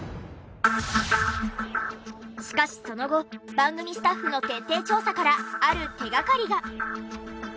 しかしその後番組スタッフの徹底調査からある手掛かりが。